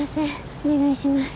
お願いします